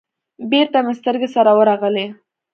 بېرته مې سترگې سره ورغلې.